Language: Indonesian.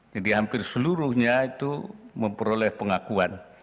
jadi hampir seluruhnya itu memperoleh pengakuan